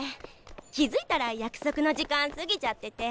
気づいたら約束の時間過ぎちゃってて。